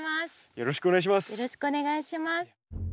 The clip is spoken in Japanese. よろしくお願いします。